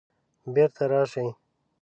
بیرته راشئ